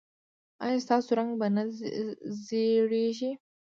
ایا ستاسو رنګ به نه زیړیږي؟